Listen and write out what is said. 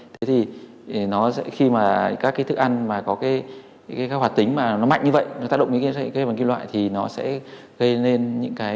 thế thì khi mà các cái thức ăn mà có cái hoạt tính mà nó mạnh như vậy nó tác động với cái phần kim loại thì nó sẽ gây nên những cái